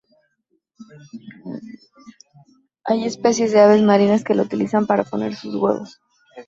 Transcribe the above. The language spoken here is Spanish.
Hay especies de aves marinas que la utilizan para poner sus huevos.